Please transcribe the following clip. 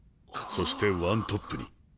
そしてワントップに。